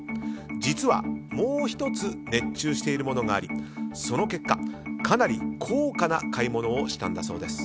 実は、もう１つ熱中しているものがありその結果、かなり高価な買い物をしたんだそうです。